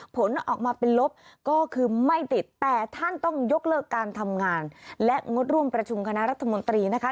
ผลออกมาเป็นลบก็คือไม่ติดแต่ท่านต้องยกเลิกการทำงานและงดร่วมประชุมคณะรัฐมนตรีนะคะ